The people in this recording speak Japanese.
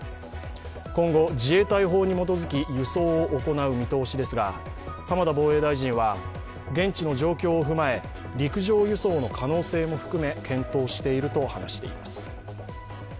今後、自衛隊法に基づき輸送を行う見通しですが浜田防衛大臣は、現地の状況を踏まえ、陸上輸送の可能性も含め検討していると話しています。